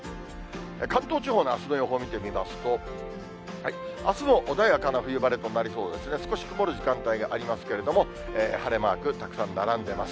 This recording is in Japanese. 関東地方のあすの予報見てみますと、あすも穏やかな冬晴れとなりそうですが、少し曇る時間帯がありますけれども、晴れマーク、たくさん並んでます。